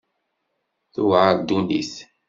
Tuɛer ddunit.